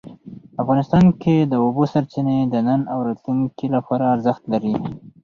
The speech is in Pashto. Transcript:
افغانستان کې د اوبو سرچینې د نن او راتلونکي لپاره ارزښت لري.